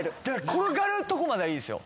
転がるとこまではいいですよ。